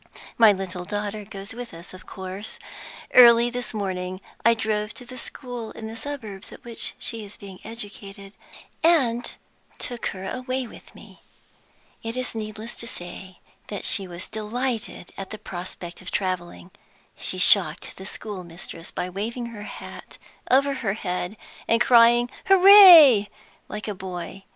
"My little daughter goes with us, of course. Early this morning I drove to the school in the suburbs at which she is being educated, and took her away with me. It is needless to say that she was delighted at the prospect of traveling. She shocked the schoolmistress by waving her hat over her head and crying 'Hooray,' like a boy.